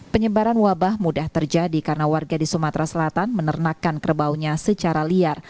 penyebaran wabah mudah terjadi karena warga di sumatera selatan menernakan kerbaunya secara liar